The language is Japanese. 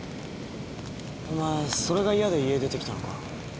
お前それが嫌で家出てきたのか？